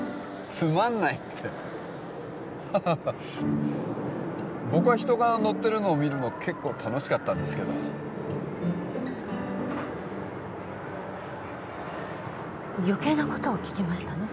「つまんない」ってハハハッ僕は人が乗ってるのを見るの結構楽しかったんですけど余計なことを聞きました